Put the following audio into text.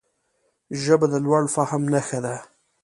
ژبه د لوړ فهم نښه ده